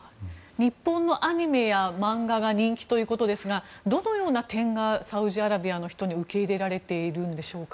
日本のアニメや漫画が人気ということですがどのような点がサウジアラビアの人に受け入れられてるんでしょうか。